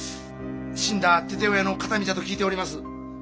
死んだ父親の形見じゃと聞いております。